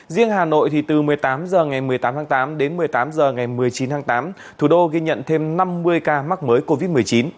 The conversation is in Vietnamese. riêng hà nội từ một mươi tám h ngày một mươi tám tháng tám đến một mươi tám h ngày một mươi chín tháng tám thủ đô ghi nhận thêm năm mươi ca mắc mới covid một mươi chín